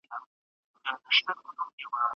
غله همېش د پیسه داره کور ته اوړي